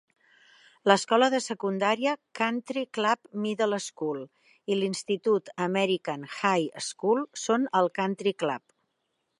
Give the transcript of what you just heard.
L'escola de secundària Country Club Middle School i l'institut American High School són al Country Club.